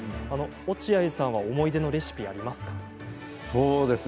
落合さんは思い出のレシピありますか？